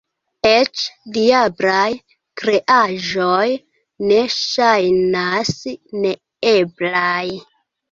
Eĉ diablaj kreaĵoj ne ŝajnas neeblaj.